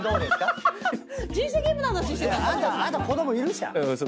あなた子供いるじゃん。